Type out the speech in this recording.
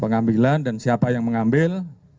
pengambilan dan siapa yang mengambil